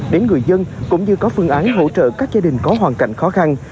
đến người dân cũng như có phương án hỗ trợ các gia đình có hoàn cảnh khó khăn